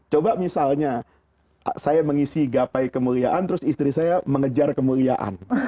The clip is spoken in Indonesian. coba misalnya saya mengisi gapai kemuliaan terus istri saya mengejar kemuliaan